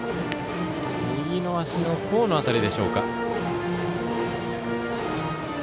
右の足の甲の辺りでしょうか。